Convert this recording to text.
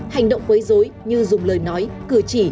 hành động quấy dối như dùng lời nói cử chỉ